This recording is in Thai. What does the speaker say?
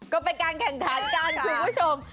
ก็เป็นการแข่งขันกันคุณผู้ชม